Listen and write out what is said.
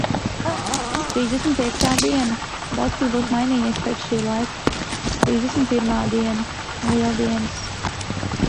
Trīsdesmit piektā diena. Daudz kas būs mainījies pēc šī laika. Trīsdesmit pirmā diena. Lieldienas.